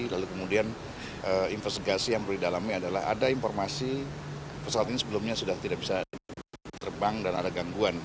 lalu kemudian investigasi yang perlu didalami adalah ada informasi pesawat ini sebelumnya sudah tidak bisa terbang dan ada gangguan